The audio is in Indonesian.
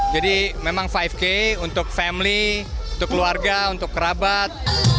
jadi memang lima k untuk family untuk keluarga untuk kerabat